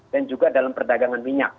dan juga dalam perdagangan minyak